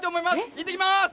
行ってきます。